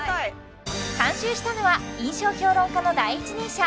監修したのは印象評論家の第一人者